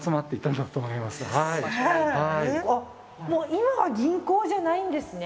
今は銀行じゃないんですね。